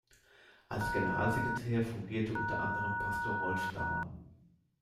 Als Generalsekretär fungierte unter anderem Pastor Rolf Dammann.